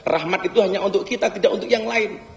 rahmat itu hanya untuk kita tidak untuk yang lain